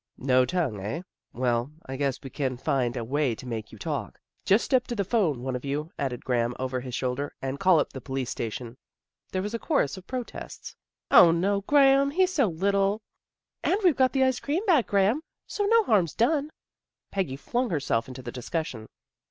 " No tongue, eh? Well, I guess we can find a way to make you talk. Just step to the 'phone, one of you," added Graham over his shoulder, " and call up the police station." There was a chorus of protests. " O, no, Graham. He's so little." " And we've got the ice cream back, Graham, so no harm's done." Peggy flung herself into the discussion.